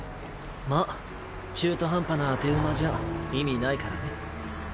まっ中途半端な当て馬じゃ意味ないからね。